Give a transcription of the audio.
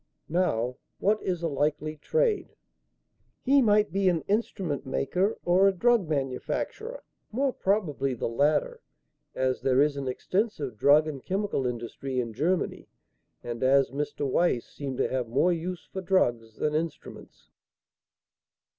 Now, what is a likely trade?" "He might be an instrument maker or a drug manufacturer; more probably the latter, as there is an extensive drug and chemical industry in Germany, and as Mr. Weiss seemed to have more use for drugs than instruments."